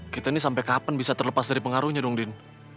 kita ini sampai kapan bisa terlepas dari pengaruhnya dong din